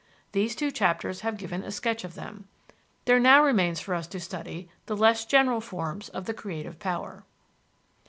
These two chapters have given a sketch of them. There now remains for us to study the less general forms of the creative power.